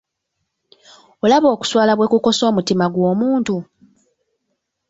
Olaba okuswala bwe kukosa omutima gw'omuntu?